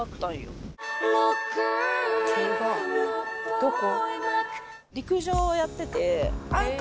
どこ？